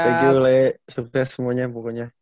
thank you le sukses semuanya pokoknya